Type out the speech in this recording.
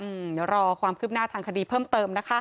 เดี๋ยวรอความคืบหน้าทางคดีเพิ่มเติมนะคะ